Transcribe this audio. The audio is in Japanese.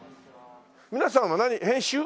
皆さんは何編集？